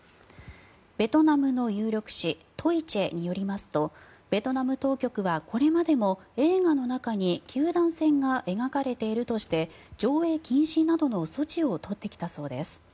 ベトナムの有力紙トイチェによりますとベトナム当局はこれまでも映画の中に九段線が描かれているとして上映禁止などの措置を取ってきたそうです。